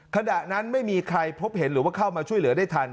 ขณะนั้นไม่มีใครพบเห็นหรือว่าเข้ามาช่วยเหลือได้ทัน